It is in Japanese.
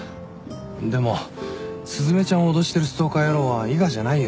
でも雀ちゃんを脅してるストーカー野郎は伊賀じゃないよ。